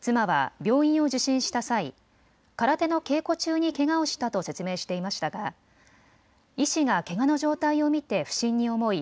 妻は病院を受診した際、空手の稽古中にけがをしたと説明していましたが医師がけがの状態を見て不審に思い